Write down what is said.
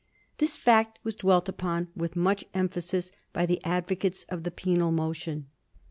This fact was dwelt upon with much emphasis by the advocates of the penal motion.